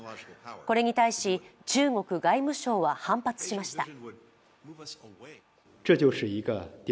これに対し、中国外務省は反発しました。